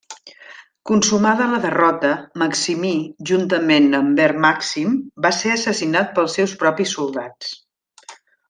Consumada la derrota, Maximí, juntament amb Ver Màxim, va ser assassinat pels seus propis soldats.